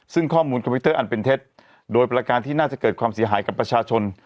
ซึ่งข้อมูลคอมพิวเตอร์อันเป็นเท็จโดยประการที่น่าจะเกิดความเสียหายกับประชาชน